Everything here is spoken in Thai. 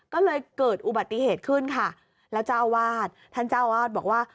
ก็เลยเกิดอุบัติเหตุขึ้นค่ะแล้วเจ้าอาวาสท่านเจ้าอาวาสบอกว่า